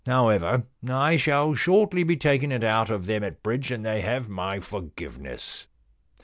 However, I shall shortly be taking it out of them at bridge, and they have my forgiveness.